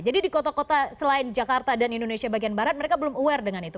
jadi di kota kota selain jakarta dan indonesia bagian barat mereka belum aware dengan itu